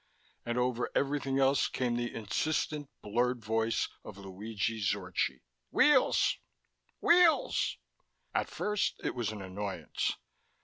And over everything else came the insistent, blurred voice of Luigi Zorchi. "Weels! Weels!" At first it was an annoyance.